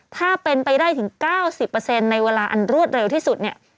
ถ้าเป็นไปได้ถึง๙๐ในเวลาอันรวดเร็วที่สุดเนี่ย